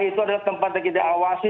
itu adalah tempat yang kita awasi